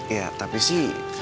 iya tapi sih